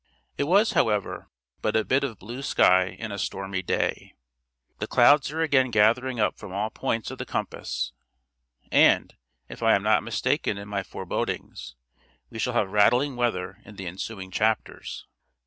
It was, however, but a bit of blue sky in a stormy day; the clouds are again gathering up from all points of the compass, and, if I am not mistaken in my forebodings, we shall have rattling weather in the ensuing chapters.